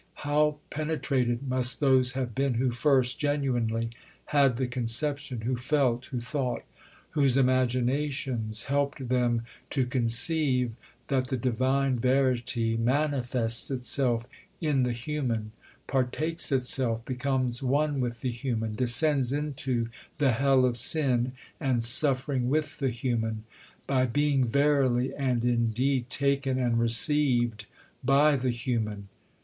How penetrated must those have been who first, genuinely, had the conception, who felt, who thought, whose imaginations helped them to conceive, that the Divine Verity manifests itself in the human, partakes itself, becomes one with the human, descends into the hell of sin and suffering with the human, by being "verily and indeed taken and received" by the human!...